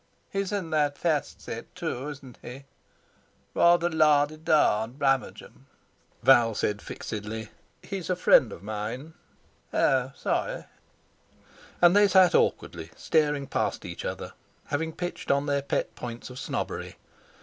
He's in that fast set too, isn't he? Rather La di da and Brummagem." Val said fixedly: "He's a friend of mine." "Oh! Sorry!" And they sat awkwardly staring past each other, having pitched on their pet points of snobbery.